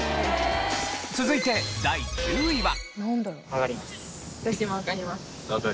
続いて第９位は。